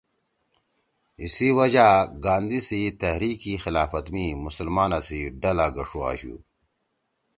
ایسی وجہ گاندھی سی تحریک خلافت می مسلمانا سی ڈلہ گݜُو آشُو